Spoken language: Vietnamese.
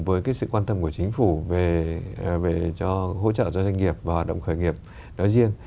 đổi mới sáng tạo cùng với sự quan tâm của chính phủ về hỗ trợ cho doanh nghiệp và hoạt động khởi nghiệp đó riêng